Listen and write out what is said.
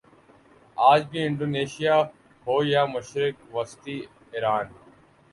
آج بھی انڈونیشیا ہو یا مشرق وسطی ایران